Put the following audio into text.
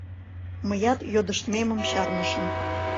Мыят йодыштмемым чарнышым.